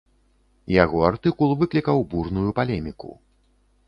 Яго артыкул выклікаў бурную палеміку.